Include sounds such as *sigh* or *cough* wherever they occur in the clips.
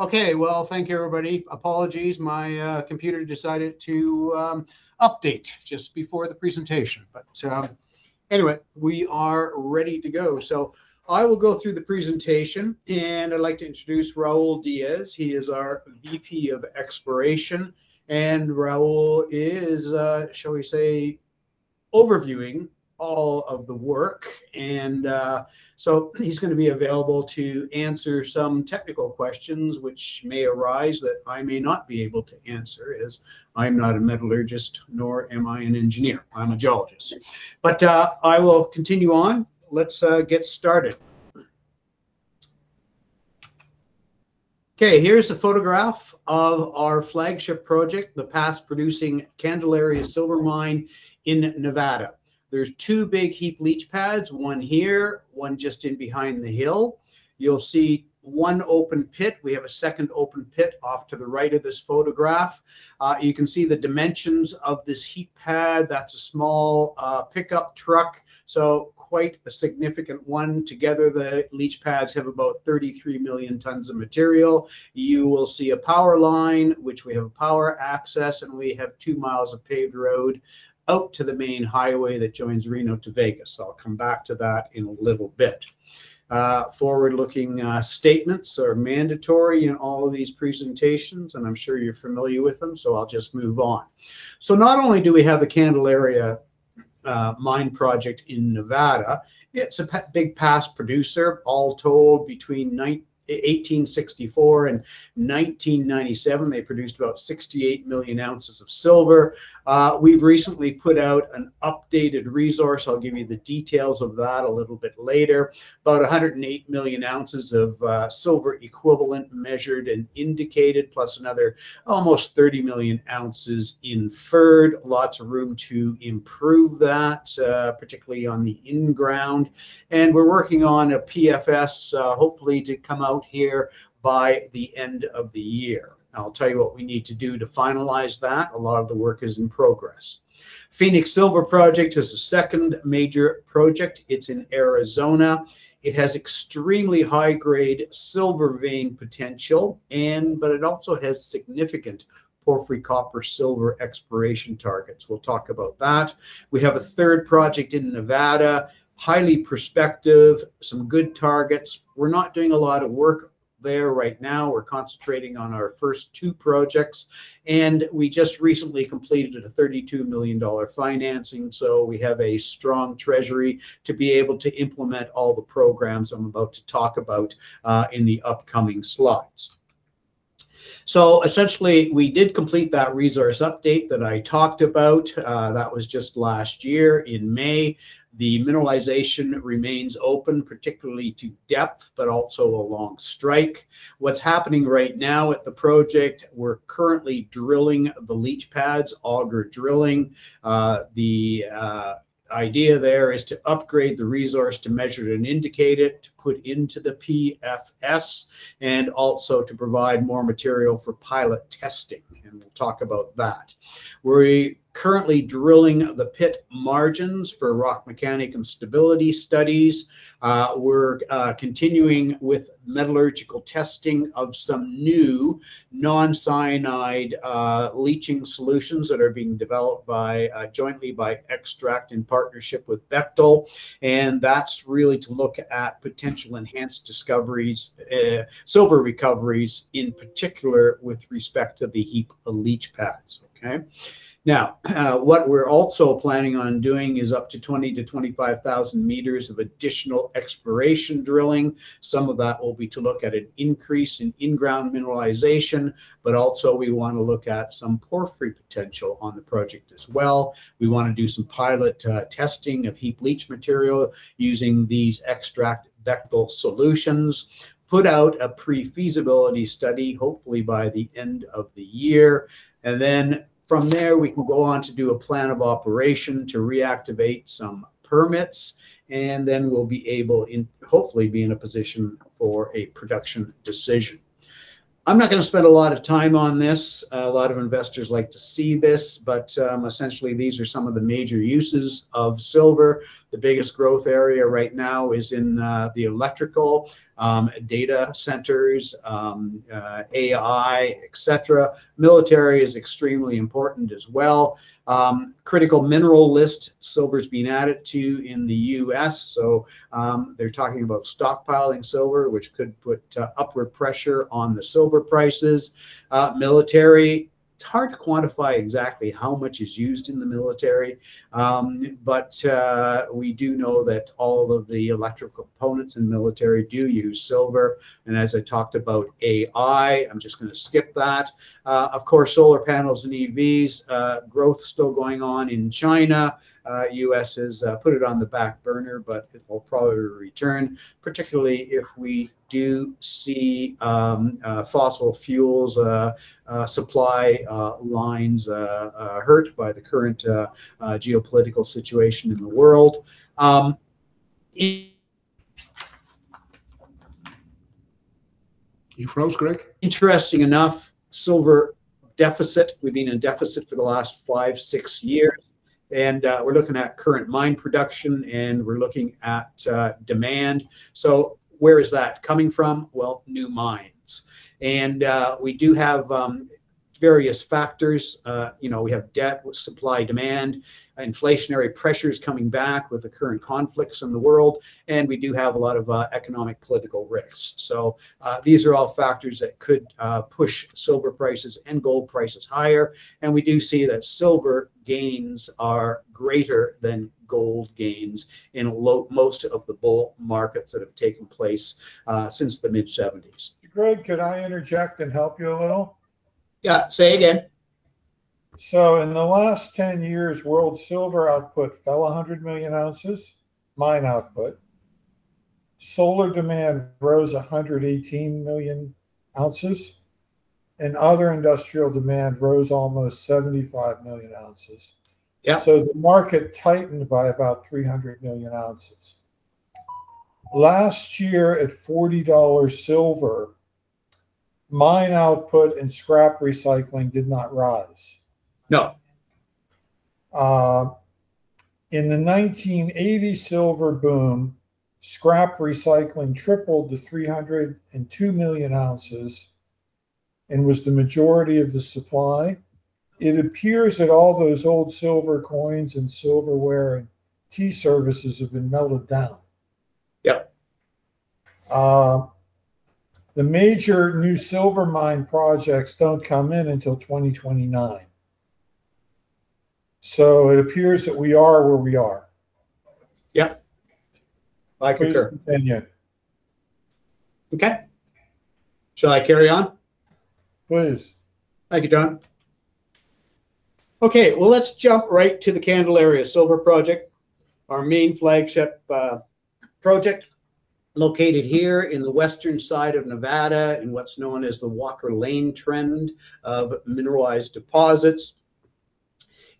Okay. Well, thank you, everybody. Apologies, my computer decided to update just before the presentation. Anyway, we are ready to go. I will go through the presentation, and I'd like to introduce Raul Diaz. He is our VP of Exploration, and Raul is shall we say, overviewing all of the work, so he's gonna be available to answer some technical questions which may arise that I may not be able to answer, as I'm not a metallurgist, nor am I an engineer. I'm a geologist. I will continue on. Let's get started. Okay, here is a photograph of our flagship project, the past-producing Candelaria Silver Mine in Nevada. There's two big heap leach pads, one here, one just behind the hill. You'll see one open pit. We have a second open pit off to the right of this photograph. You can see the dimensions of this heap pad. That's a small pickup truck, so quite a significant one. Together, the leach pads have about 33 million tons of material. You will see a power line, which we have power access, and we have 2 mi of paved road out to the main highway that joins Reno to Vegas. I'll come back to that in a little bit. Forward-looking statements are mandatory in all of these presentations, and I'm sure you're familiar with them, so I'll just move on. Not only do we have the Candelaria mine project in Nevada, it's a big past producer. All told, between 1864 and 1997, they produced about 68 million oz of silver. We've recently put out an updated resource. I'll give you the details of that a little bit later. About 108 million oz of silver equivalent measured and indicated, plus another almost 30 million oz inferred. Lots of room to improve that, particularly on the in-ground. We're working on a PFS, hopefully to come out here by the end of the year. I'll tell you what we need to do to finalize that. A lot of the work is in progress. Phoenix Silver project is the second major project. It's in Arizona. It has extremely high-grade silver vein potential, but it also has significant porphyry copper silver exploration targets. We'll talk about that. We have a third project in Nevada. Highly prospective, some good targets. We're not doing a lot of work there right now. We're concentrating on our first two projects. We just recently completed a $32 million financing, so we have a strong treasury to be able to implement all the programs I'm about to talk about in the upcoming slides. Essentially, we did complete that resource update that I talked about. That was just last year in May. The mineralization remains open, particularly to depth, but also along strike. What's happening right now at the project, we're currently drilling the leach pads, auger drilling. The idea there is to upgrade the resource, to measure it and indicate it, to put into the PFS, and also to provide more material for pilot testing, and we'll talk about that. We're currently drilling the pit margins for rock mechanics and stability studies. We're continuing with metallurgical testing of some new non-cyanide leaching solutions that are being developed jointly by Extrakt in partnership with Bechtel, and that's really to look at potential enhanced discoveries silver recoveries in particular with respect to the heap leach pads. Now, what we're also planning on doing is up to 20,000-25,000 m of additional exploration drilling. Some of that will be to look at an increase in-ground mineralization, but also we wanna look at some porphyry potential on the project as well. We wanna do some pilot testing of heap leach material using these Extrakt Bechtel solutions. Put out a pre-feasibility study, hopefully by the end of the year. From there, we can go on to do a plan of operation to reactivate some permits, and then we'll be able, hopefully be in a position for a production decision. I'm not gonna spend a lot of time on this. A lot of investors like to see this. Essentially these are some of the major uses of silver. The biggest growth area right now is in the electrical data centers, AI, et cetera. Military is extremely important as well. Critical mineral list, silver's being added to in the U.S. They're talking about stockpiling silver, which could put upward pressure on the silver prices. Military, it's hard to quantify exactly how much is used in the military, but we do know that all of the electrical components in military do use silver. As I talked about AI, I'm just gonna skip that. Of course, solar panels and EVs, growth still going on in China. U.S. has put it on the back burner, but it will probably return, particularly if we do see fossil fuels' supply lines hurt by the current geopolitical situation in the world. *audio distortion* You froze, Greg. Interesting enough, silver deficit. We've been in deficit for the last five, six years, and we're looking at current mine production, and we're looking at demand. Where is that coming from? Well, new mines. We do have various factors. You know, we have dents in supply and demand, inflationary pressures coming back with the current conflicts in the world, and we do have a lot of economic, political risks. These are all factors that could push silver prices and gold prices higher. We do see that silver gains are greater than gold gains in most of the bull markets that have taken place since the mid-1970s. Greg, could I interject and help you a little? Yeah. Say again. In the last 10 years, world silver mine output fell 100 million oz, line output. Solar demand rose 118 million oz, and other industrial demand rose almost 75 million oz. Yeah. The market tightened by about 300 million oz. Last year, at $40 silver, mine output and scrap recycling did not rise. No. In the 1980 silver boom, scrap recycling tripled to 302 million oz and was the majority of the supply. It appears that all those old silver coins and silverware and tea services have been melted down. Yep. The major new silver mine projects don't come in until 2029. It appears that we are where we are. Yep. I concur. Please continue. Okay. Shall I carry on? Please. Thank you, John. Okay, well, let's jump right to the Candelaria Silver Project, our main flagship project located here in the western side of Nevada in what's known as the Walker Lane trend of mineralized deposits.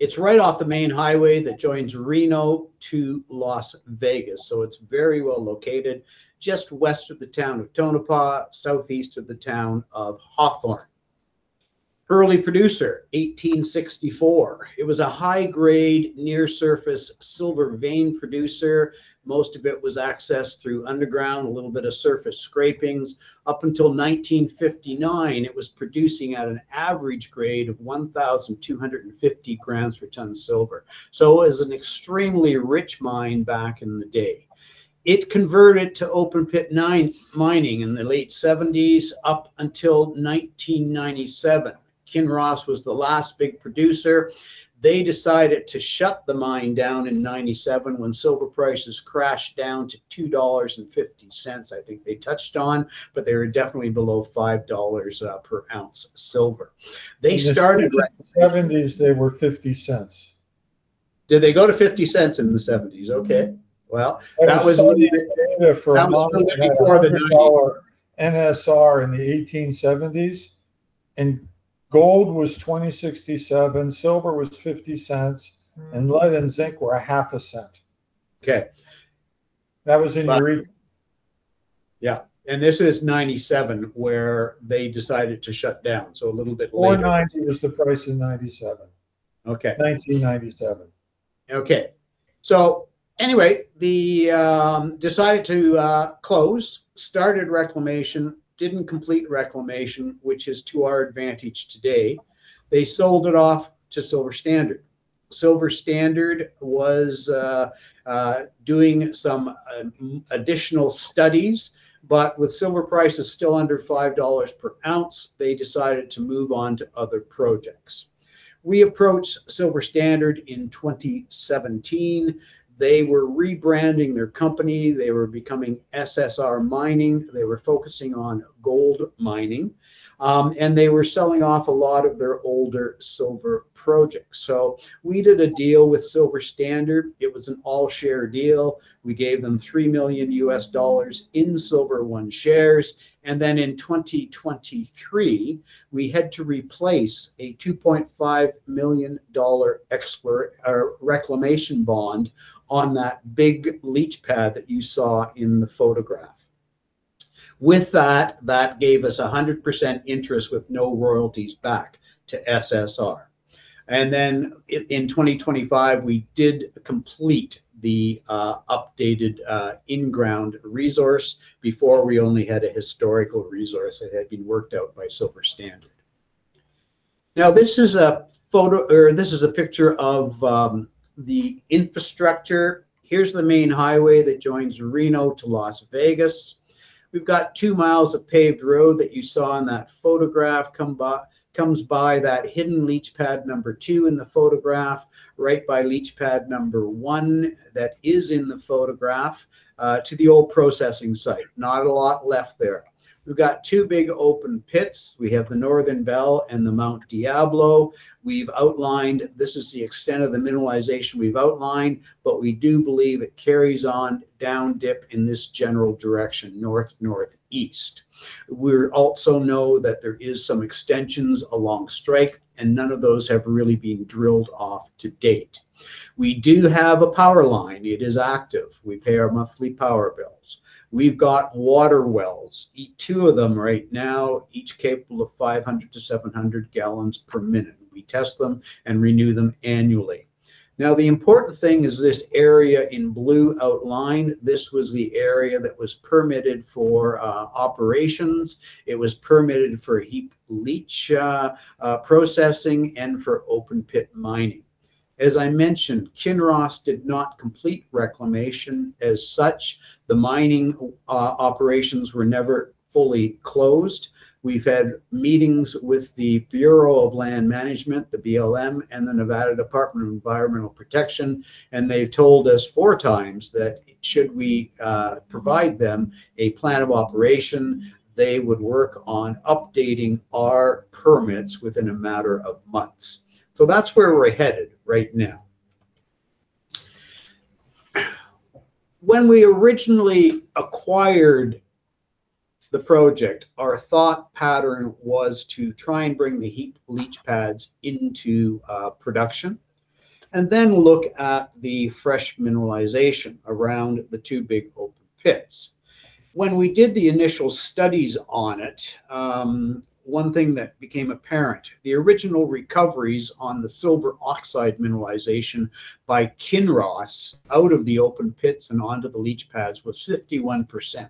It's right off the main highway that joins Reno to Las Vegas, so it's very well located, just west of the town of Tonopah, southeast of the town of Hawthorne. Early producer, 1864. It was a high-grade, near-surface silver vein producer. Most of it was accessed through underground, a little bit of surface scrapings. Up until 1959, it was producing at an average grade of 1,250 g per ton of silver. So it was an extremely rich mine back in the day. It converted to open-pit mining in the late 1970s up until 1997. Kinross was the last big producer. They decided to shut the mine down in 1997 when silver prices crashed down to $2.50, I think they touched on, but they were definitely below $5 per ounce silver. They started like— In the 1970s they were $0.50. Did they go to $0.50 in the 1970s? Okay. Well— *crosstalk* They started in Canada for a long time at a $1 NSR in the 1870s, and gold was $20.67, silver was $0.50, and lead and zinc were $0.005. Okay. That was in *crosstalk* Yeah, this is 1997, where they decided to shut down, so a little bit later. $4.90 was the price in 1997. Okay. 1997. Okay. Decided to close, started reclamation, didn't complete reclamation, which is to our advantage today. They sold it off to Silver Standard. Silver Standard was doing some additional studies, but with silver prices still under $5 per ounce, they decided to move on to other projects. We approached Silver Standard in 2017. They were rebranding their company. They were becoming SSR Mining. They were focusing on gold mining and they were selling off a lot of their older silver projects. We did a deal with Silver Standard. It was an all-share deal. We gave them $3 million in Silver One shares. In 2023, we had to replace a $2.5 million reclamation bond on that big leach pad that you saw in the photograph. With that gave us a 100% interest with no royalties back to SSR. Then in 2025, we did complete the updated in-ground resource. Before, we only had a historical resource that had been worked out by Silver Standard. Now, this is a picture of the infrastructure. Here's the main highway that joins Reno to Las Vegas. We've got 2 mi of paved road that you saw in that photograph comes by that hidden leach pad number two in the photograph, right by leach pad number one that is in the photograph to the old processing site. Not a lot left there. We've got two big open pits. We have the Northern Belle and the Mount Diablo. We've outlined, this is the extent of the mineralization we've outlined, but we do believe it carries on down dip in this general direction, north, northeast. We also know that there is some extensions along strike, and none of those have really been drilled off to date. We do have a power line. It is active. We pay our monthly power bills. We've got water wells, two of them right now, each capable of 500-700 gal per minute. We test them and renew them annually. Now, the important thing is this area in blue outline, this was the area that was permitted for operations. It was permitted for heap leach processing and for open pit mining. As I mentioned, Kinross did not complete reclamation. As such, the mining operations were never fully closed. We've had meetings with the Bureau of Land Management, the BLM, and the Nevada Division of Environmental Protection, and they've told us four times that should we provide them a plan of operation, they would work on updating our permits within a matter of months. That's where we're headed right now. When we originally acquired the project, our thought pattern was to try and bring the heap leach pads into production, and then look at the fresh mineralization around the two big open pits. When we did the initial studies on it, one thing that became apparent, the original recoveries on the silver oxide mineralization by Kinross out of the open pits and onto the leach pads was 51%.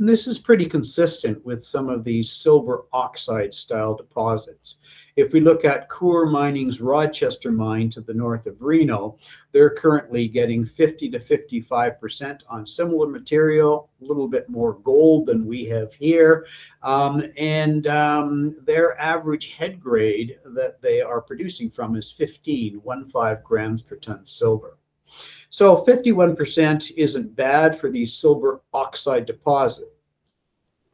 This is pretty consistent with some of these silver oxide-style deposits. If we look at Coeur Mining's Rochester Mine to the north of Reno, they're currently getting 50%-55% on similar material, a little bit more gold than we have here. Their average head grade that they are producing from is 15, 15 g per ton silver. 51% isn't bad for these silver oxide deposit.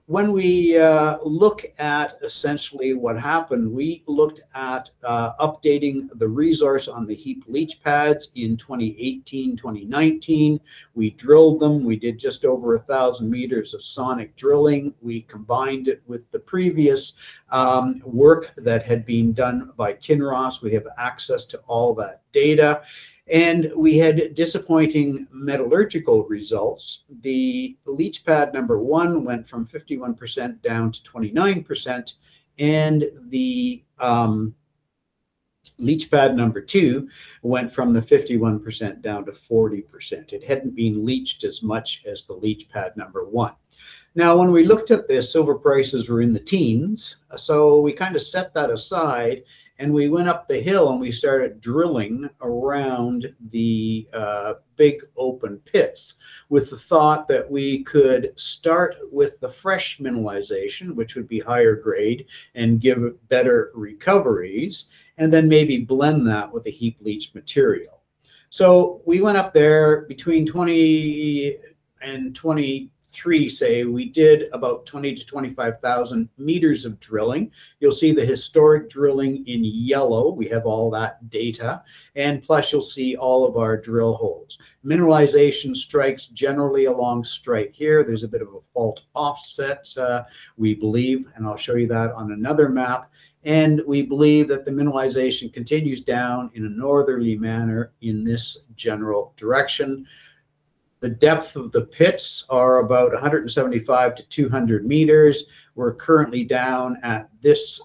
When we look at essentially what happened, we looked at updating the resource on the heap leach pads in 2018, 2019. We drilled them. We did just over 1,000 m of sonic drilling. We combined it with the previous work that had been done by Kinross. We have access to all that data. We had disappointing metallurgical results. The leach pad number one went from 51% down to 29%, and the leach pad number two went from the 51% down to 40%. It hadn't been leached as much as the leach pad number one. Now, when we looked at this, silver prices were in the teens. We kinda set that aside, and we went up the hill, and we started drilling around the big open pits with the thought that we could start with the fresh mineralization, which would be higher grade and give better recoveries, and then maybe blend that with the heap leach material. We went up there between 2020 and 2023, say. We did about 20,000-25,000 m of drilling. You'll see the historic drilling in yellow. We have all that data. Plus, you'll see all of our drill holes. Mineralization strikes generally along strike here. There's a bit of a fault offset, we believe, and I'll show you that on another map. We believe that the mineralization continues down in a northerly manner in this general direction. The depth of the pits are about 175-200 m. We're currently down at this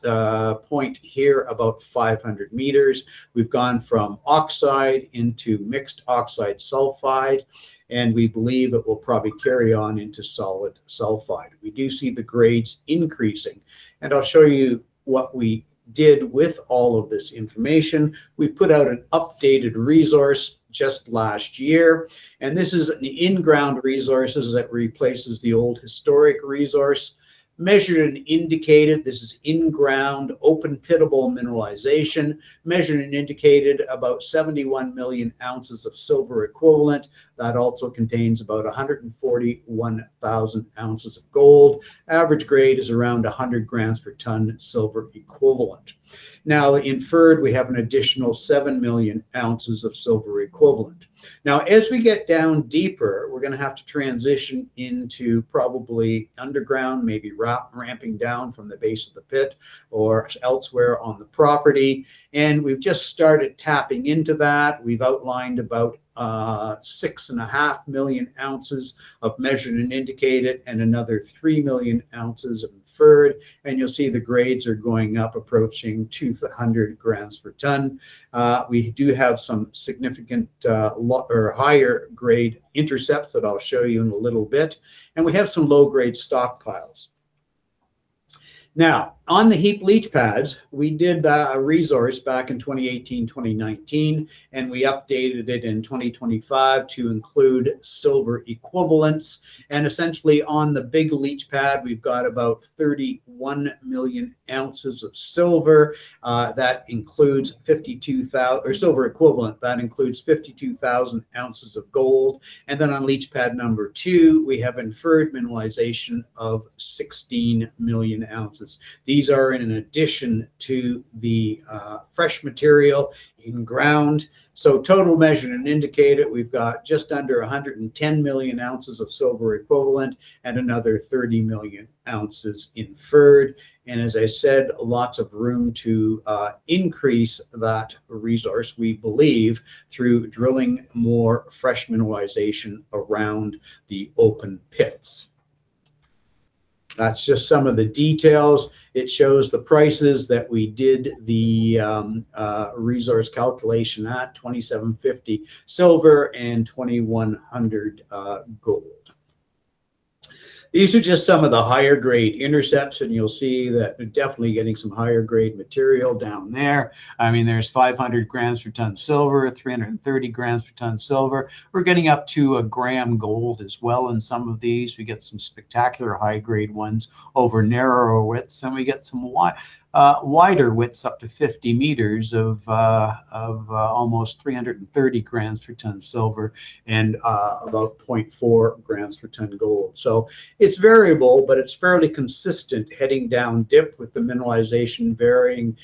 point here about 500 m. We've gone from oxide into mixed oxide sulfide, and we believe it will probably carry on into solid sulfide. We do see the grades increasing, and I'll show you what we did with all of this information. We put out an updated resource just last year, and this is the in-ground resources that replaces the old historic resource. Measured and Indicated, this is in-ground open-pittable mineralization. Measured and Indicated about 71 million oz of silver equivalent. That also contains about 141,000 oz of gold. Average grade is around 100 g per ton silver equivalent. Inferred, we have an additional 7 million oz of silver equivalent. As we get down deeper, we're gonna have to transition into probably underground, maybe ramping down from the base of the pit or elsewhere on the property. We've just started tapping into that. We've outlined about 6.5 million oz of measured and indicated and another 3 million oz inferred. You'll see the grades are going up approaching 200 g per ton. We do have some significant or higher grade intercepts that I'll show you in a little bit. We have some low-grade stockpiles. Now on the heap leach pads, we did the resource back in 2018, 2019, and we updated it in 2025 to include silver equivalents. Essentially on the big leach pad, we've got about 31 million oz of silver equivalent. That includes 52,000 oz of gold. Then on leach pad number two, we have inferred mineralization of 16 million oz. These are in addition to the fresh material in ground. Total measured and indicated, we've got just under 110 million oz of silver equivalent and another 30 million oz inferred. As I said, lots of room to increase that resource, we believe, through drilling more fresh mineralization around the open pits. That's just some of the details. It shows the prices that we did the resource calculation at, $2,750 silver and $2,100 gold. These are just some of the higher grade intercepts, and you'll see that we're definitely getting some higher grade material down there. I mean, there's 500 g per ton silver, 330 g per ton silver. We're getting up to 1 gram gold as well in some of these. We get some spectacular high grade ones over narrower widths, and we get some wider widths up to 50 m of almost 330 g per ton silver and about 0.4 g per ton of gold. It's variable, but it's fairly consistent heading down dip with the mineralization varying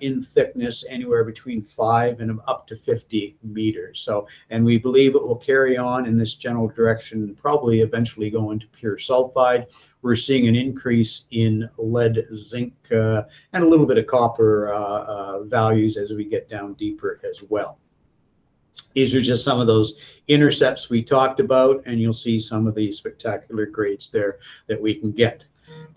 in thickness anywhere between 5 and up to 50 m. We believe it will carry on in this general direction, probably eventually going to pure sulfide. We're seeing an increase in lead, zinc, and a little bit of copper values as we get down deeper as well. These are just some of those intercepts we talked about, and you'll see some of the spectacular grades there that we can get.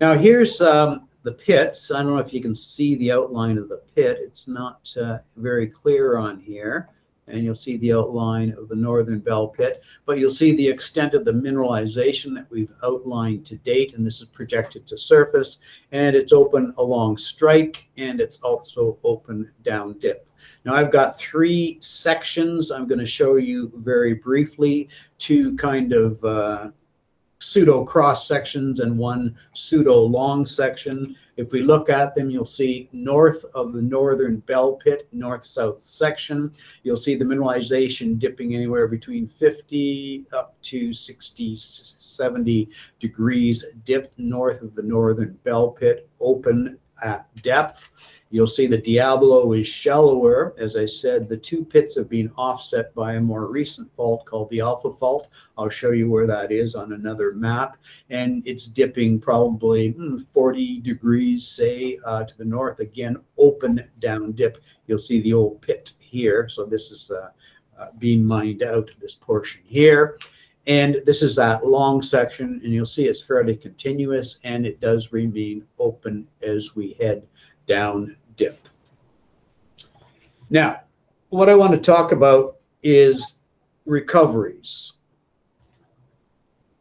Now here's the pits. I don't know if you can see the outline of the pit. It's not very clear on here. You'll see the outline of the Northern Belle Pit. You'll see the extent of the mineralization that we've outlined to date, and this is projected to surface. It's open along strike, and it's also open down dip. I've got three sections I'm gonna show you very briefly to kind of pseudo cross-sections and one pseudo long section. If we look at them, you'll see north of the Northern Belle Pit, north-south section, you'll see the mineralization dipping anywhere between 50 up to 60, 70 degrees dip north of the Northern Belle Pit, open at depth. You'll see the Diablo is shallower. As I said, the two pits have been offset by a more recent fault called the Alpha fault. I'll show you where that is on another map. It's dipping probably 40 degrees, say, to the north. Again, open down dip. You'll see the old pit here. This is being mined out, this portion here. This is that long section. You'll see it's fairly continuous, and it does remain open as we head down dip. Now, what I wanna talk about is recoveries.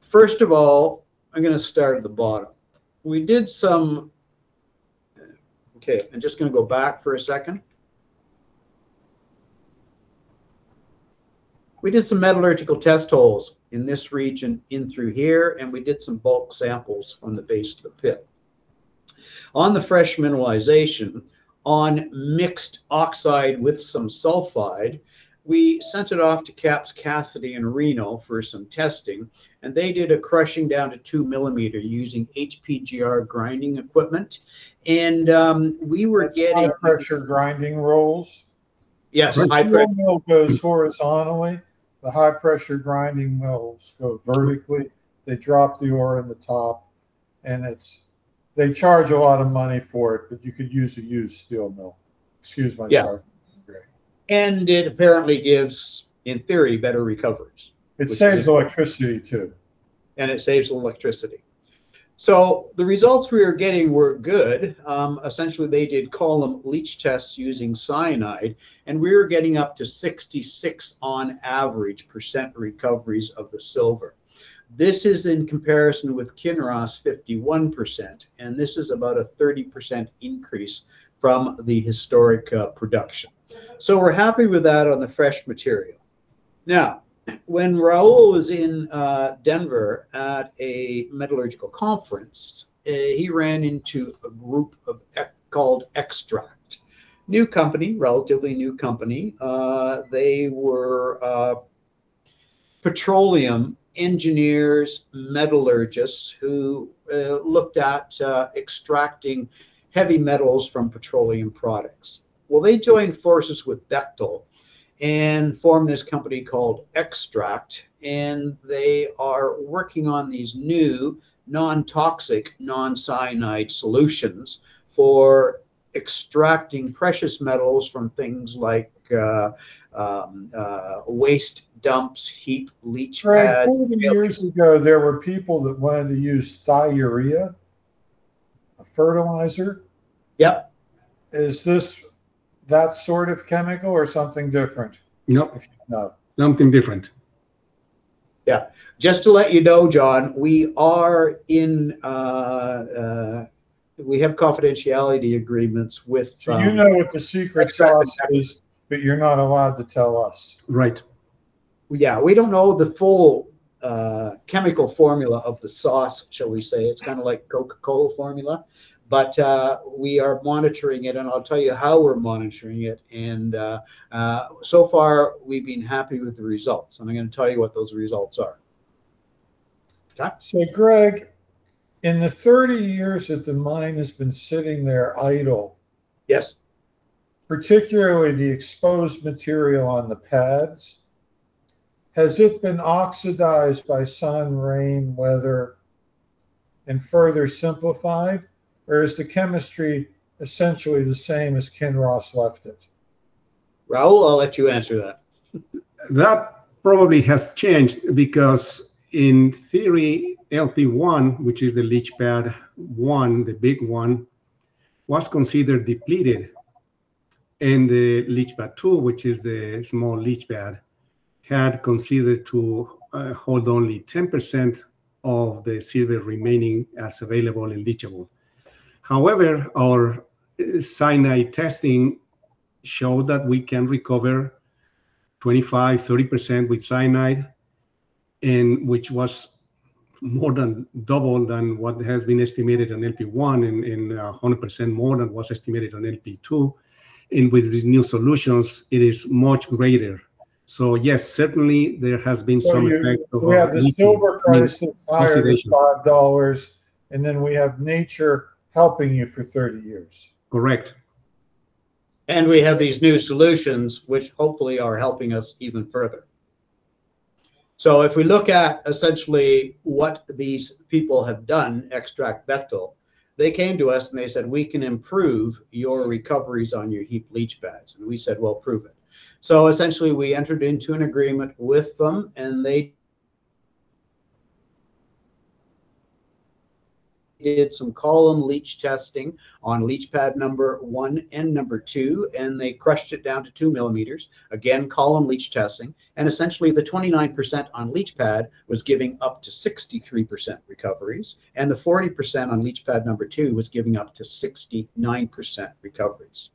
First of all, I'm gonna start at the bottom. Okay, I'm just gonna go back for a second. We did some metallurgical test holes in this region in through here, and we did some bulk samples from the base of the pit. On the fresh mineralization on mixed oxide with some sulfide, we sent it off to Kappes, Cassiday in Reno for some testing, and they did a crushing down to 2 mm using HPGR grinding equipment. We were getting- That's high pressure grinding rolls? Yes. The steel mill goes horizontally. The high pressure grinding mills go vertically. They drop the ore in the top. They charge a lot of money for it, but you could use a used steel mill. Excuse my jargon. Yeah. Great. It apparently gives, in theory, better recoveries. It saves electricity too. It saves electricity. The results we were getting were good. Essentially, they did column leach tests using cyanide, and we were getting up to 66% on average recoveries of the silver. This is in comparison with Kinross' 51%, and this is about a 30% increase from the historic production. We're happy with that on the fresh material. Now, when Raul was in Denver at a metallurgical conference, he ran into a group called Extrakt. New company, relatively new company. They were petroleum engineers, metallurgists who looked at extracting heavy metals from petroleum products. Well, they joined forces with Bechtel and formed this company called Extrakt, and they are working on these new non-toxic, non-cyanide solutions for extracting precious metals from things like waste dumps, heap leach pads— Right. 40 years ago, there were people that wanted to use thiourea, a fertilizer. Yep. Is this that sort of chemical or something different? Nope. No. Something different. Yeah. Just to let you know, John, we have confidentiality agreements with— You know what the secret sauce is, but you're not allowed to tell us. Right. Yeah. We don't know the full chemical formula of the sauce, shall we say. It's kinda like Coca-Cola formula. We are monitoring it, and I'll tell you how we're monitoring it. So far we've been happy with the results, and I'm gonna tell you what those results are. Okay? Greg, in the 30 years that the mine has been sitting there idle. Yes Particularly the exposed material on the pads, has it been oxidized by sun, rain, weather, and further simplified, or is the chemistry essentially the same as Kinross left it? Raul, I'll let you answer that. That probably has changed because in theory, LP1, which is the leach pad one, the big one, was considered depleted and the leach pad two, which is the small leach pad had considered to hold only 10% of the silver remaining as available and leachable. However, our cyanide testing showed that we can recover 25%, 30% with cyanide, which was more than double than what has been estimated on LP1 and 100% more than what's estimated on LP2. With these new solutions, it is much greater. Yes, certainly there has been some effect of our leaching means oxidation. You have the silver price that's higher than $5, and then we have nature helping you for 30 years. Correct We have these new solutions, which hopefully are helping us even further. If we look at essentially what these people have done, Extrakt Bechtel, they came to us and they said, "We can improve your recoveries on your heap leach pads." We said, "Well, prove it." Essentially we entered into an agreement with them, and they did some column leach testing on leach pad number one and number two, and they crushed it down to 2 mm. Again, column leach testing. Essentially the 29% on leach pad was giving up to 63% recoveries. The 40% on leach pad number two was giving up to 69% recoveries.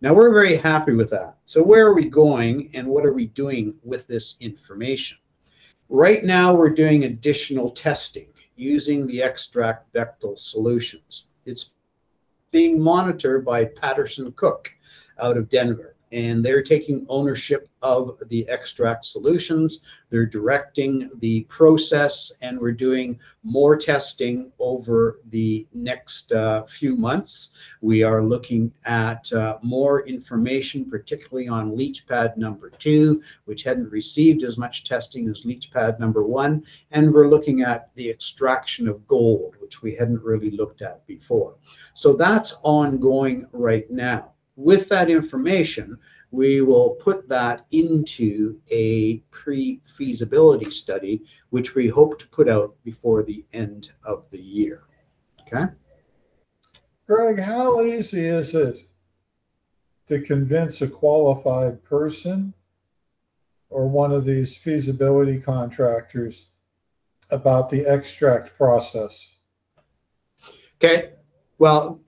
Now, we're very happy with that. Where are we going and what are we doing with this information? Right now, we're doing additional testing using the Extrakt Bechtel solutions. It's being monitored by Paterson & Cooke out of Denver, and they're taking ownership of the Extrakt solutions. They're directing the process, and we're doing more testing over the next few months. We are looking at more information, particularly on leach pad number two, which hadn't received as much testing as leach pad number one. We're looking at the extraction of gold, which we hadn't really looked at before. That's ongoing right now. With that information, we will put that into a pre-feasibility study, which we hope to put out before the end of the year. Okay? Greg, how easy is it to convince a qualified person or one of these feasibility contractors about the Extrakt process? Okay. Well,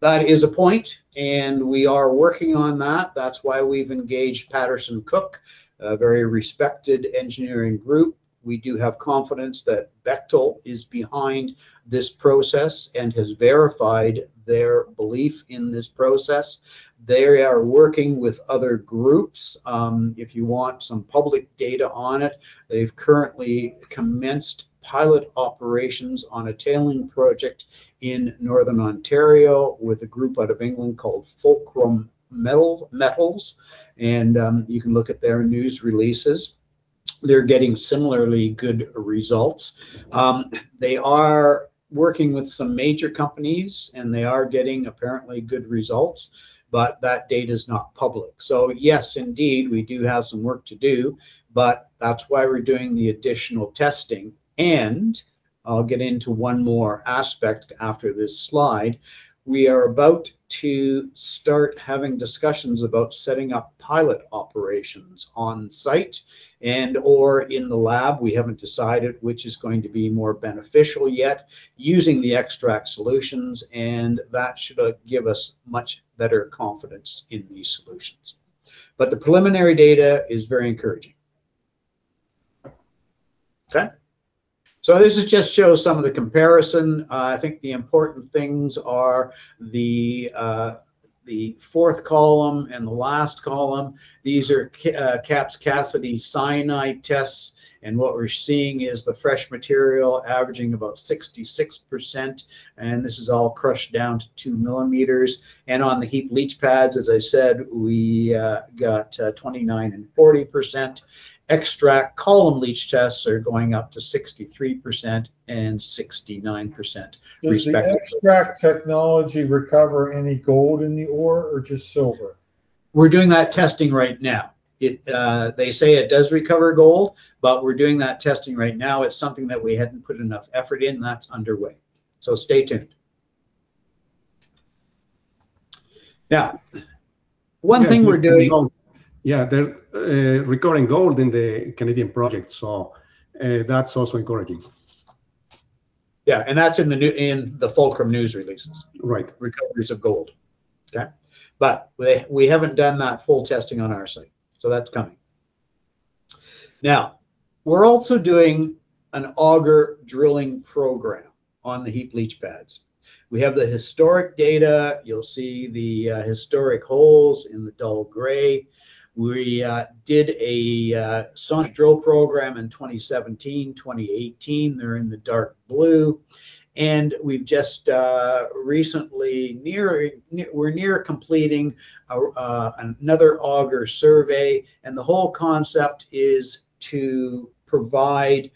that is a point, and we are working on that. That's why we've engaged Paterson & Cooke, a very respected engineering group. We do have confidence that Bechtel is behind this process and has verified their belief in this process. They are working with other groups. If you want some public data on it, they've currently commenced pilot operations on a tailing project in Northern Ontario with a group out of England called Fulcrum Metals, and you can look at their news releases. They're getting similarly good results. They are working with some major companies, and they are getting apparently good results, but that data's not public. Yes, indeed, we do have some work to do, but that's why we're doing the additional testing. I'll get into one more aspect after this slide. We are about to start having discussions about setting up pilot operations on site and/or in the lab. We haven't decided which is going to be more beneficial yet, using the Extrakt solutions, and that should give us much better confidence in these solutions. The preliminary data is very encouraging. Okay? This just shows some of the comparison. I think the important things are the fourth column and the last column. These are Kappes, Cassiday cyanide tests, and what we're seeing is the fresh material averaging about 66%. This is all crushed down to 2 mm. On the heap leach pads, as I said, we got 29% and 40%. Extrakt column leach tests are going up to 63% and 69% respectively. Does the Extrakt technology recover any gold in the ore or just silver? We're doing that testing right now. They say it does recover gold, but we're doing that testing right now. It's something that we hadn't put enough effort in. That's underway. Stay tuned. Now, one thing we're doing- Yeah, they're recovering gold in the Canadian project. That's also encouraging. That's in the Fulcrum news releases. Right. Recoveries of gold, okay? We haven't done that full testing on our site. That's coming. Now, we're also doing an auger drilling program on the heap leach pads. We have the historic data. You'll see the historic holes in the dull gray. We did a sonic drill program in 2017, 2018. They're in the dark blue. We've just recently, we're near completing another auger survey, and the whole concept is to provide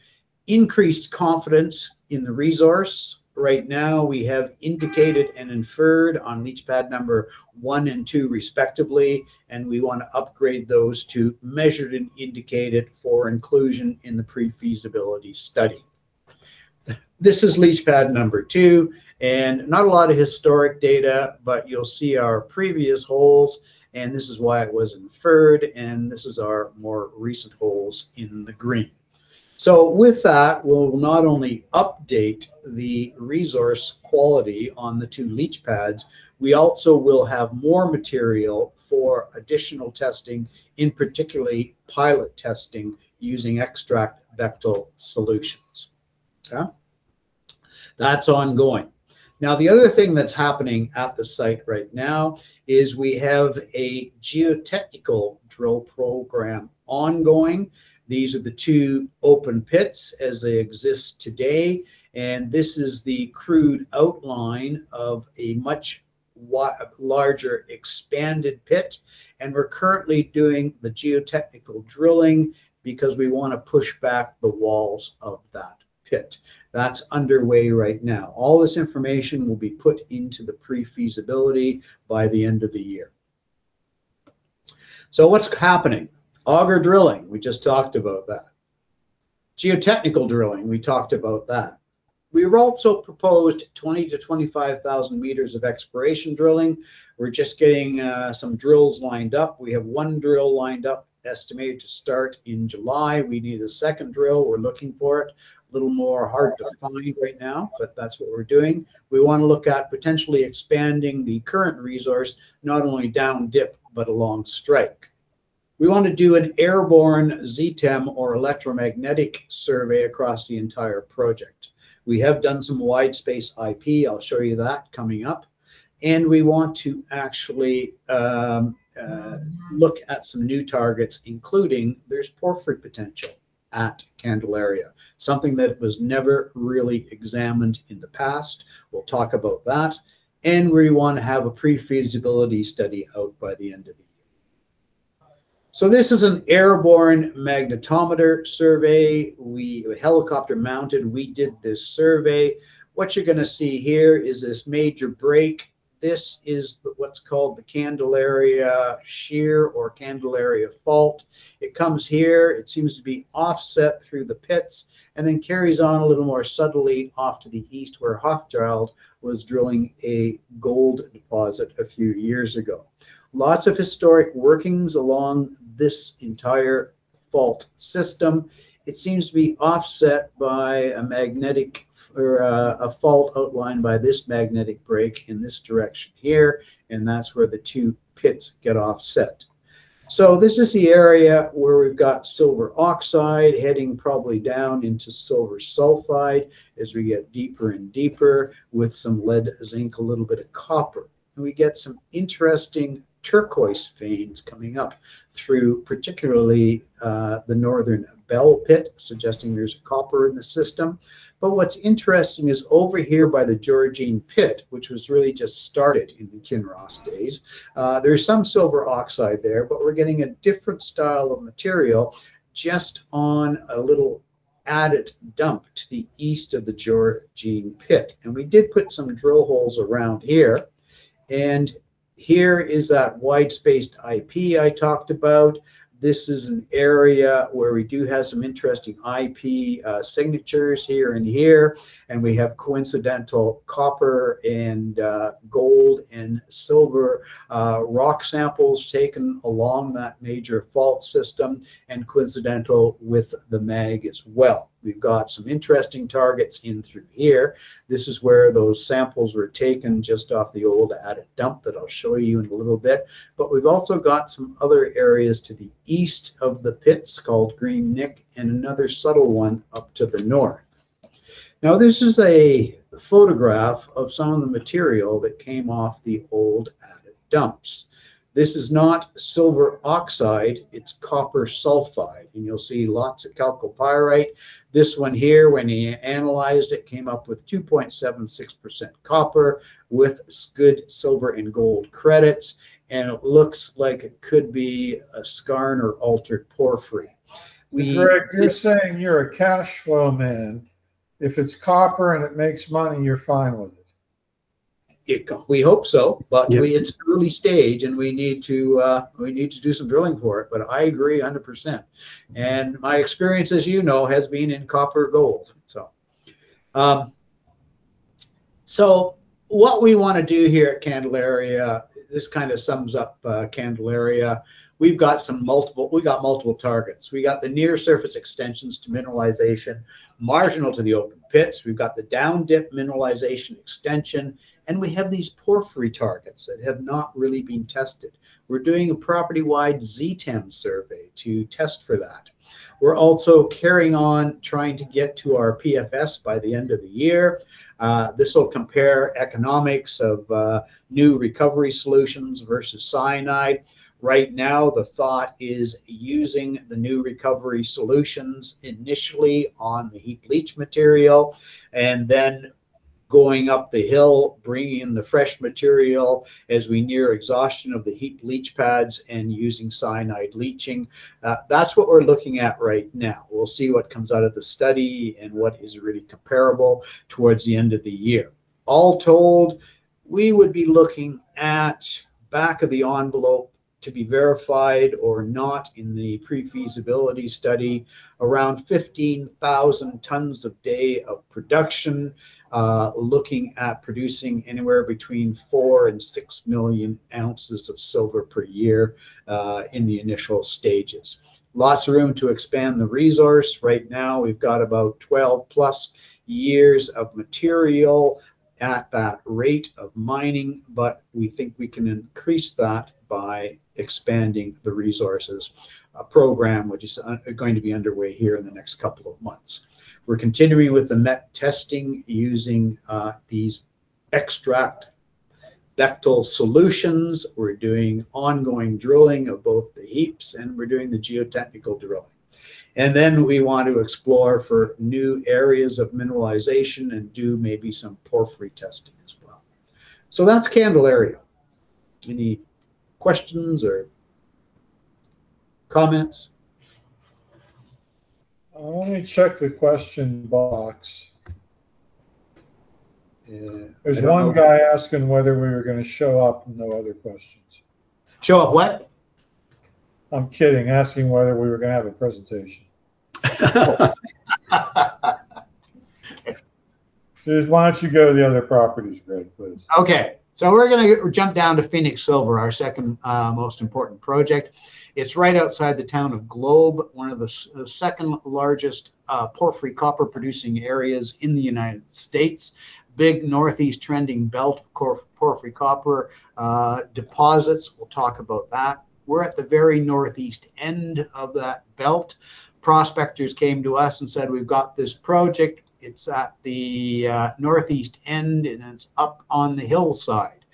increased confidence in the resource. Right now, we have indicated and inferred on leach pad number one and two respectively, and we wanna upgrade those to measured and indicated for inclusion in the pre-feasibility study. This is leach pad number two and not a lot of historic data, but you'll see our previous holes and this is why it was inferred, and this is our more recent holes in the green. With that, we'll not only update the resource quality on the two leach pads, we also will have more material for additional testing, in particular, pilot testing using Extrakt Bechtel solutions. Yeah. That's ongoing. Now, the other thing that's happening at the site right now is we have a geotechnical drill program ongoing. These are the two open pits as they exist today, and this is the crude outline of a much larger expanded pit, and we're currently doing the geotechnical drilling because we wanna push back the walls of that pit. That's underway right now. All this information will be put into the pre-feasibility by the end of the year. What's happening? Auger drilling, we just talked about that. Geotechnical drilling, we talked about that. We've also proposed 20,000-25,000 m of exploration drilling. We're just getting some drills lined up. We have one drill lined up estimated to start in July. We need a second drill. We're looking for it. A little harder to find right now, but that's what we're doing. We wanna look at potentially expanding the current resource not only down dip, but along strike. We wanna do an airborne ZTEM or electromagnetic survey across the entire project. We have done some wide-space IP. I'll show you that coming up. We want to actually look at some new targets, including there's porphyry potential at Candelaria. Something that was never really examined in the past. We'll talk about that. We wanna have a pre-feasibility study out by the end of the year. This is an airborne magnetometer survey. Helicopter-mounted, we did this survey. What you're gonna see here is this major break. This is what's called the Candelaria Shear or Candelaria Fault. It comes here. It seems to be offset through the pits and then carries on a little more subtly off to the east where Hochschild was drilling a gold deposit a few years ago. Lots of historic workings along this entire fault system. It seems to be offset by a magnetic or a fault outlined by this magnetic break in this direction here, and that's where the two pits get offset. This is the area where we've got silver oxide heading probably down into silver sulfide as we get deeper and deeper with some lead, zinc, a little bit of copper. We get some interesting turquoise veins coming up through particularly the Northern Belle pit suggesting there's copper in the system. What's interesting is over here by the Georgine Pit, which was really just started in the Kinross days, there is some silver oxide there, but we're getting a different style of material just on a little adit dump to the east of the Georgine Pit. We did put some drill holes around here. Here is that wide-spaced IP I talked about. This is an area where we do have some interesting IP signatures here and here. We have coincidental copper and gold and silver rock samples taken along that major fault system and coincidental with the mag as well. We've got some interesting targets in through here. This is where those samples were taken just off the old adit dump that I'll show you in a little bit. We've also got some other areas to the east of the pits called Green Nick and another subtle one up to the north. Now, this is a photograph of some of the material that came off the old adit dumps. This is not silver oxide, it's copper sulfide. You'll see lots of chalcopyrite. This one here, when he analyzed it, came up with 2.76% copper with good silver and gold credits, and it looks like it could be a skarn or altered porphyry. Greg, you're saying you're a cash flow man. If it's copper and it makes money, you're fine with it. We hope so. Yeah. It's early stage, and we need to do some drilling for it. I agree 100%. My experience, as you know, has been in copper gold. What we wanna do here at Candelaria, this kinda sums up Candelaria. We've got multiple targets. We got the near-surface extensions to mineralization marginal to the open pits. We've got the down dip mineralization extension, and we have these porphyry targets that have not really been tested. We're doing a property-wide ZTEM survey to test for that. We're also carrying on trying to get to our PFS by the end of the year. This will compare economics of new recovery solutions versus cyanide. Right now, the thought is using the new recovery solutions initially on the heap leach material and then going up the hill, bringing the fresh material as we near exhaustion of the heap leach pads and using cyanide leaching. That's what we're looking at right now. We'll see what comes out of the study and what is really comparable towards the end of the year. All told, we would be looking at back of the envelope to be verified or not in the pre-feasibility study around 15,000 tons a day of production, looking at producing anywhere between 4 and 6 million oz of silver per year, in the initial stages. Lots of room to expand the resource. Right now, we've got about 12+ years of material at that rate of mining, but we think we can increase that by expanding the resources program which is going to be underway here in the next couple of months. We're continuing with the met testing using these Extrakt ductile solutions. We're doing ongoing drilling of both the heaps, and we're doing the geotechnical drilling. We want to explore for new areas of mineralization and do maybe some porphyry testing as well. That's Candelaria. Any questions or comments? Let me check the question box. Yeah. There's one guy asking whether we were gonna show up, no other questions. Show up what? I'm kidding. Asking whether we were gonna have a presentation. Just why don't you go to the other properties, Greg, please. Okay. We're gonna jump down to Phoenix Silver, our second most important project. It's right outside the town of Globe, one of the second largest porphyry-copper-producing areas in the United States. Big northeast trending belt, porphyry copper deposits. We'll talk about that. We're at the very northeast end of that belt. Prospectors came to us and said, "We've got this project. It's at the northeast end, and it's up on the hillside.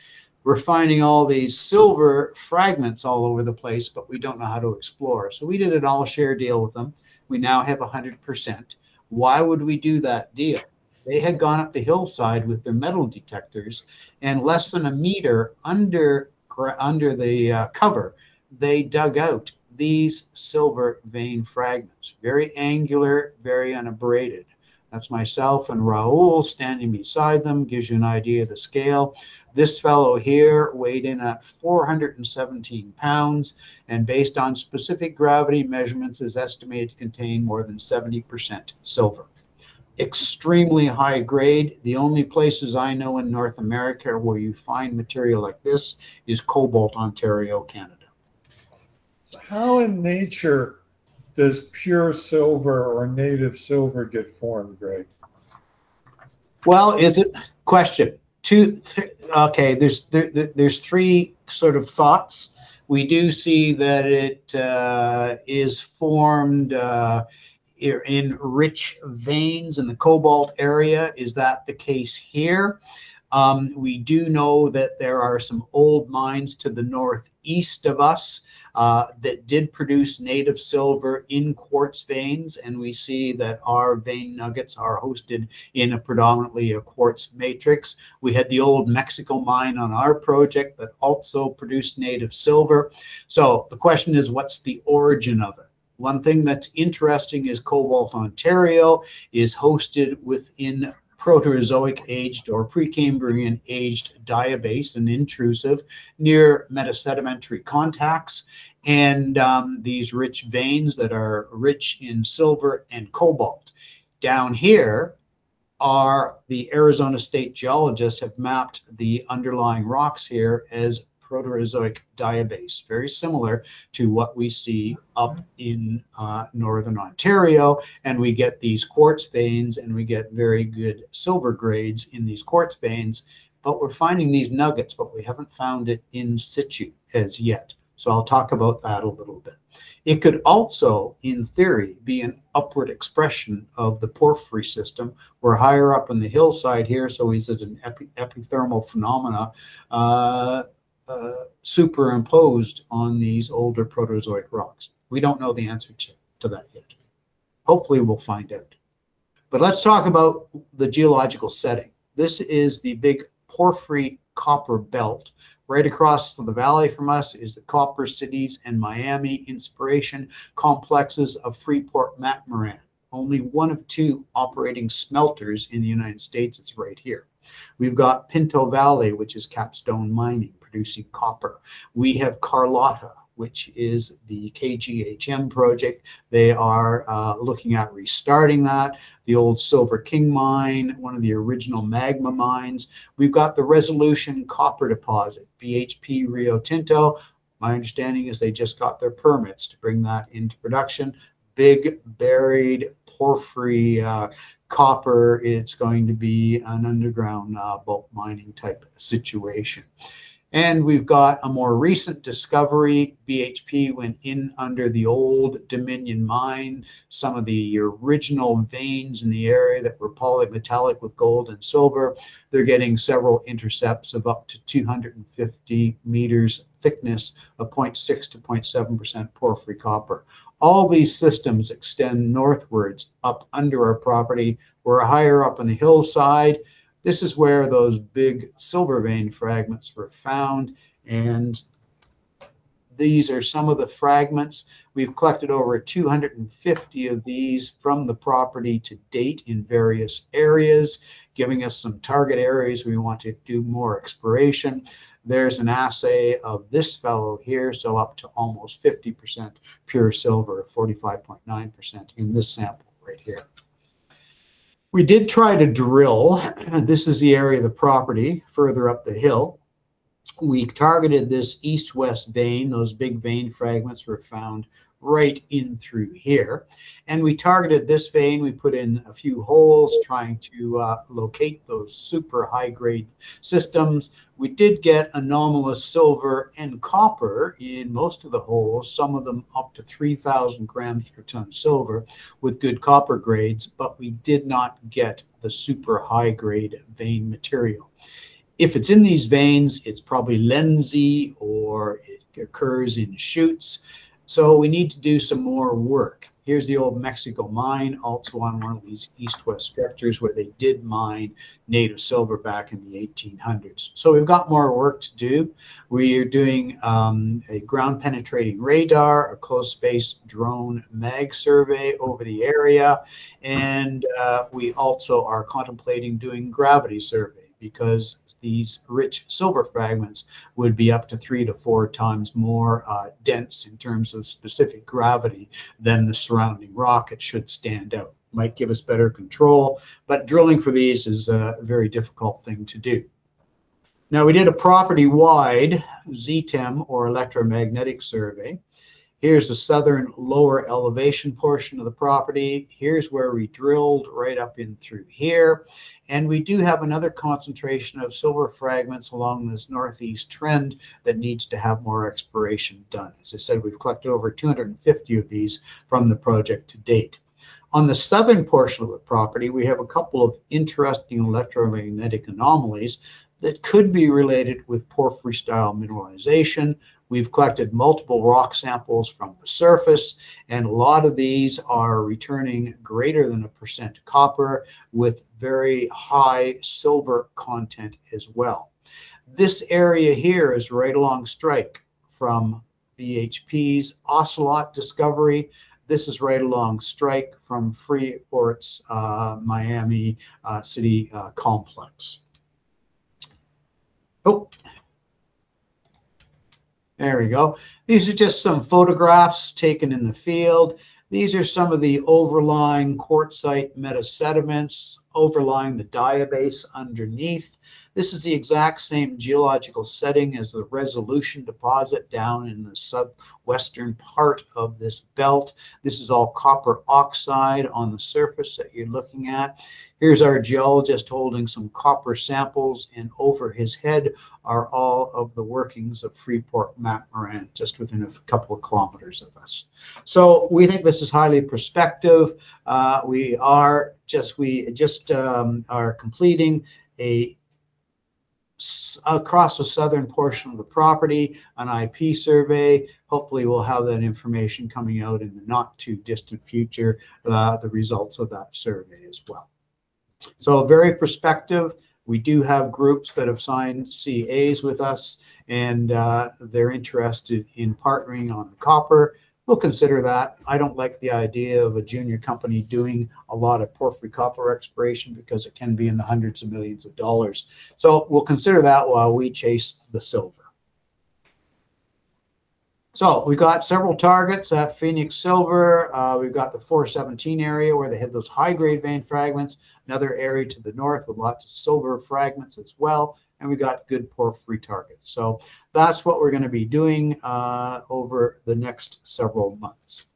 We're finding all these silver fragments all over the place, but we don't know how to explore." We did an all-share deal with them. We now have 100%. Why would we do that deal? They had gone up the hillside with their metal detectors, and less than a meter under the cover, they dug out these silver vein fragments. Very angular, very unabraded. That's myself and Raul standing beside them. Gives you an idea of the scale. This fellow here weighed in at 417 lbs, and based on specific gravity measurements is estimated to contain more than 70% silver. Extremely high grade. The only places I know in North America where you find material like this is Cobalt, Ontario, Canada. How in nature does pure silver or native silver get formed, Greg? Well, is it question two? Okay. There's three sort of thoughts. We do see that it is formed here in rich veins in the Cobalt area. Is that the case here? We do know that there are some old mines to the northeast of us that did produce native silver in quartz veins, and we see that our vein nuggets are hosted in a predominantly quartz matrix. We had the old Mexico mine on our project that also produced native silver. The question is what's the origin of it? One thing that's interesting is Cobalt, Ontario is hosted within Proterozoic-aged or Precambrian-aged diabase and intrusive near metasedimentary contacts. These rich veins that are rich in silver and cobalt. Down here, the Arizona State geologists have mapped the underlying rocks here as Proterozoic diabase, very similar to what we see up in northern Ontario, and we get these quartz veins, and we get very good silver grades in these quartz veins. We're finding these nuggets, but we haven't found it in-situ as yet. I'll talk about that a little bit. It could also, in theory, be an upward expression of the porphyry system. We're higher up on the hillside here, so is it an epithermal phenomenon superimposed on these older Proterozoic rocks? We don't know the answer to that yet. Hopefully, we'll find out. Let's talk about the geological setting. This is the big porphyry copper belt. Right across the valley from us is the Copper Cities and Miami Inspiration complexes of Freeport-McMoRan. Only one of two operating smelters in the United States is right here. We've got Pinto Valley, which is Capstone Mining, producing copper. We have Carlota, which is the KGHM project. They are looking at restarting that. The old Silver King Mine, one of the original Magma mines. We've got the Resolution Copper Deposit, BHP Rio Tinto. My understanding is they just got their permits to bring that into production. Big buried porphyry copper. It's going to be an underground bulk-mining-type situation. We've got a more recent discovery. BHP went in under the Old Dominion Mine, some of the original veins in the area that were polymetallic with gold and silver. They're getting several intercepts of up to 250 m thickness of 0.6%-0.7% porphyry copper. All these systems extend northwards up under our property or higher up on the hillside. This is where those big silver vein fragments were found. These are some of the fragments. We've collected over 250 of these from the property to date in various areas, giving us some target areas we want to do more exploration. There's an assay of this fellow here, so up to almost 50% pure silver, 45.9% in this sample right here. We did try to drill. This is the area of the property further up the hill. We targeted this east-west vein. Those big vein fragments were found right in through here. We targeted this vein. We put in a few holes trying to locate those super high-grade systems. We did get anomalous silver and copper in most of the holes, some of them up to 3,000 g per ton silver with good copper grades, but we did not get the super high-grade vein material. If it's in these veins, it's probably lensy or it occurs in chutes. We need to do some more work. Here's the old Mexico mine also on one of these east-west structures where they did mine native silver back in the 1800s. We've got more work to do. We are doing a ground-penetrating radar, a close-space drone mag survey over the area, and we also are contemplating doing gravity survey because these rich silver fragments would be up to three-four times more dense in terms of specific gravity than the surrounding rock. It should stand out, might give us better control. Drilling for these is a very difficult thing to do. Now, we did a property-wide ZTEM or electromagnetic survey. Here's the southern lower elevation portion of the property. Here's where we drilled right up in through here. We do have another concentration of silver fragments along this northeast trend that needs to have more exploration done. As I said, we've collected over 250 of these from the project to date. On the southern portion of the property, we have a couple of interesting electromagnetic anomalies that could be related with porphyry-style mineralization. We've collected multiple rock samples from the surface, and a lot of these are returning greater than 1% copper with very high silver content as well. This area here is right along strike from BHP's Ocelot discovery. This is right along strike from Freeport's Miami City complex. Oh, there we go. These are just some photographs taken in the field. These are some of the overlying quartzite metasediments overlying the diabase underneath. This is the exact same geological setting as the Resolution deposit down in the southwestern part of this belt. This is all copper oxide on the surface that you're looking at. Here's our geologist holding some copper samples, and over his head are all of the workings of Freeport-McMoRan just within a couple of kilometers of us. We think this is highly prospective. We just are completing a survey across the southern portion of the property, an IP survey. Hopefully, we'll have that information coming out in the not-too-distant future, the results of that survey as well. Very prospective. We do have groups that have signed CA's with us, and they're interested in partnering on the copper. We'll consider that. I don't like the idea of a junior company doing a lot of porphyry copper exploration because it can be in the hundreds of millions of dollars. We'll consider that while we chase the silver. We've got several targets at Phoenix Silver. We've got the 417 area where they had those high-grade vein fragments, another area to the north with lots of silver fragments as well, and we've got good porphyry targets. That's what we're gonna be doing over the next several months.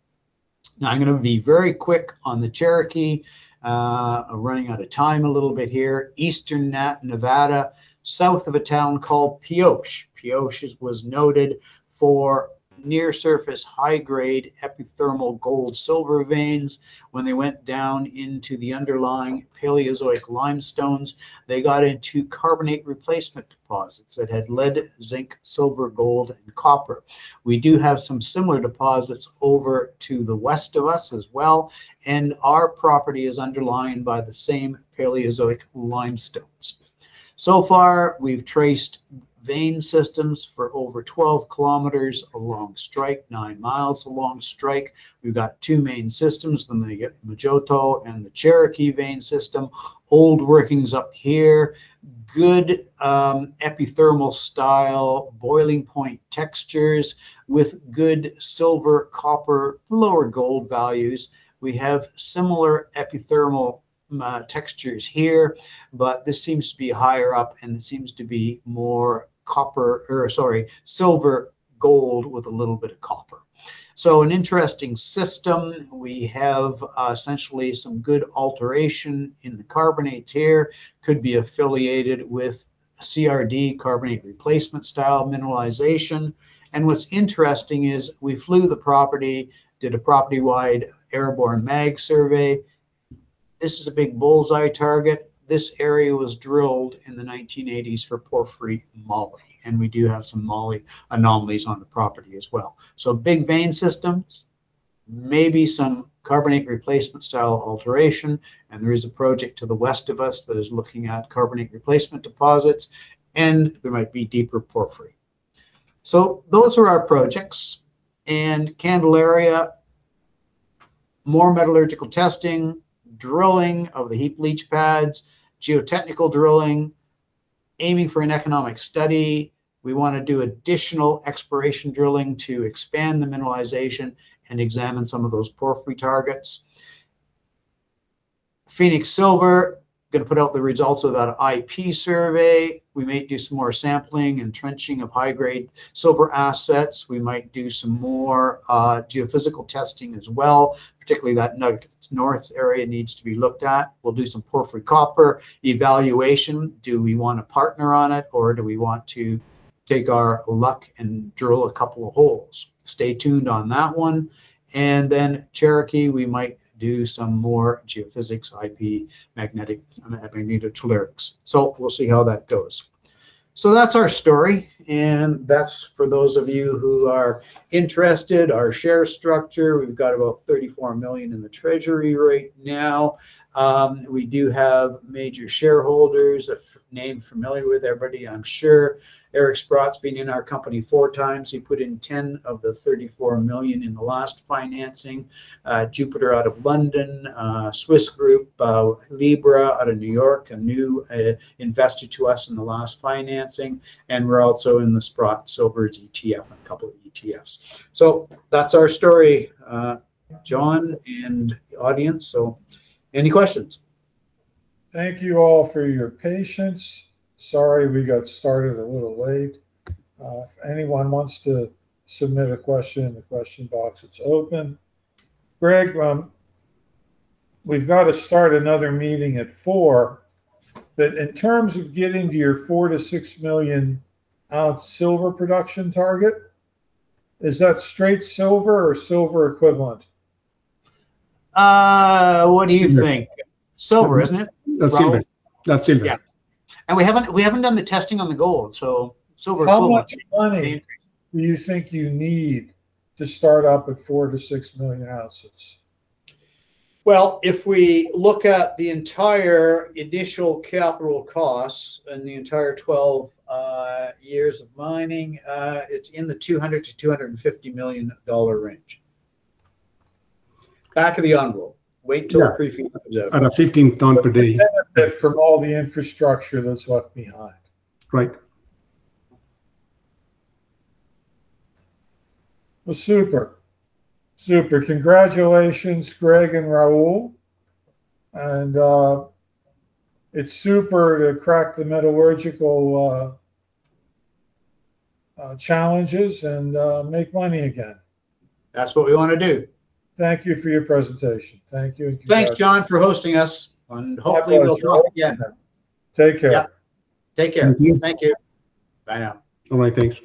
Now, I'm gonna be very quick on the Cherokee. Running out of time a little bit here. Eastern Nevada, south of a town called Pioche. Pioche was noted for near-surface high-grade epithermal gold-silver veins. When they went down into the underlying Paleozoic limestones, they got into carbonate replacement deposits that had lead, zinc, silver, gold, and copper. We do have some similar deposits over to the west of us as well, and our property is underlined by the same Paleozoic limestones. So far, we've traced vein systems for over 12 km along strike, 9 mi along strike. We've got two main systems, the Mojoto and the Cherokee vein system. Old workings up here. Good, epithermal style, boiling point textures with good silver, copper, lower gold values. We have similar epithermal, textures here, but this seems to be higher up, and it seems to be more copper, or sorry, silver, gold with a little bit of copper. So an interesting system. We have essentially some good alteration in the carbonate tier, could be affiliated with CRD, carbonate replacement style mineralization. What's interesting is we flew the property, did a property-wide airborne mag survey. This is a big bull's-eye target. This area was drilled in the 1980s for porphyry moly, and we do have some moly anomalies on the property as well. Big vein systems. Maybe some carbonate replacement style alteration. There is a project to the west of us that is looking at carbonate replacement deposits, and there might be deeper porphyry. Those are our projects. In Candelaria, more metallurgical testing, drilling of the heap leach pads, geotechnical drilling, aiming for an economic study. We wanna do additional exploration drilling to expand the mineralization and examine some of those porphyry targets. Phoenix Silver, gonna put out the results of that IP survey. We may do some more sampling and trenching of high-grade silver assets. We might do some more geophysical testing as well, particularly that nugget to the north area needs to be looked at. We'll do some porphyry copper evaluation. Do we wanna partner on it, or do we want to take our luck and drill a couple of holes? Stay tuned on that one. Cherokee, we might do some more geophysics, IP, magnetic magnetotellurics. We'll see how that goes. That's our story, and that's for those of you who are interested, our share structure. We've got about $34 million in the treasury right now. We do have major shareholders, a familiar name familiar with everybody, I'm sure. Eric Sprott has been in our company four times. He put in $10 million of the $34 million in the last financing. Jupiter out of London, Swiss Group, Libra out of New York, a new investor to us in the last financing. We're also in the Sprott Silver ETF and a couple of ETFs. That's our story, John and the audience. Any questions? Thank you all for your patience. Sorry we got started a little late. If anyone wants to submit a question in the question box, it's open. Greg, we've gotta start another meeting at 4:00. In terms of getting to your 4-6 million oz silver production target, is that straight silver or silver equivalent? What do you think? Silver. Silver, isn't it, Raul? That's silver. We haven't done the testing on the gold, so silver equivalent. How much money do you think you need to start up at 4-6 million oz? Well, if we look at the entire initial capital costs and the entire 12 years of mining, it's in the $200 million-$250 million range. Back of the envelope. Wait till the pre-feasibility. At a 15 ton per day. From all the infrastructure that's left behind. Right. Well, super. Congratulations, Greg and Raul. It's super to crack the metallurgical challenges and make money again. That's what we wanna do. Thank you for your presentation. Thank you and congrats. Thanks, John, for hosting us. My pleasure. Hopefully we'll talk again. Take care. Yeah. Take care. Thank you. Bye now. Alright, thanks.